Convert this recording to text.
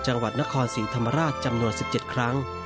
จังหวัดนครศรีธรรมราชจำนวน๑๗ครั้ง